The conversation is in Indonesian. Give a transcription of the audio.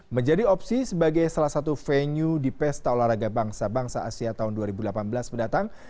menjadi opsi sebagai salah satu venue di pesta olahraga bangsa bangsa asia tahun dua ribu delapan belas mendatang